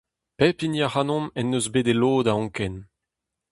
Pep hini ac'hanomp en deus bet e lod a anken.